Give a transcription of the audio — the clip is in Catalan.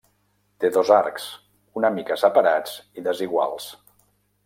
Té dos arcs, una mica separats i desiguals.